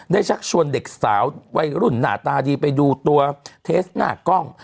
ชักชวนเด็กสาววัยรุ่นหน้าตาดีไปดูตัวเทสหน้ากล้อง